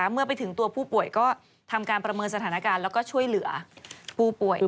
เมื่อไปถึงตัวผู้ป่วยก็ทำการประเมินสถานการณ์แล้วก็ช่วยเหลือผู้ป่วยด้วย